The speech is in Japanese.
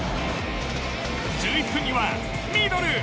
１１分にはミドル。